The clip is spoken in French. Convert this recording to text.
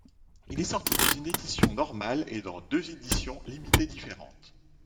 Il est sorti dans une édition normale et dans deux éditions limitées différentes.